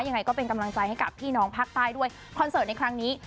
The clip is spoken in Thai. ยังไงก็เป็นกำลังใจให้กับพี่น้องภาคใต้ด้วยคอนเสิร์ตในครั้งนี้